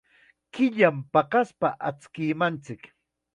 Killam paqaspa achkimanchik.